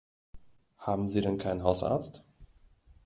Haben Sie denn keinen Hausarzt?